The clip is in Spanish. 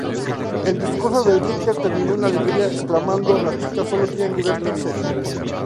El discurso de Richter terminó con alegría, exclamando "¡Las chicas solo quieren divertirse!